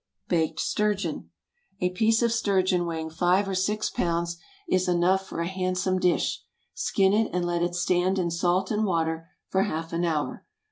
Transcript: BAKED STURGEON. A piece of sturgeon weighing five or six pounds is enough for a handsome dish. Skin it and let it stand in salt and water for half an hour.